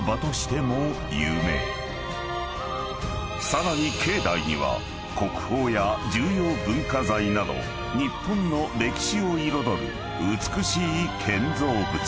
［さらに境内には国宝や重要文化財など日本の歴史を彩る美しい建造物］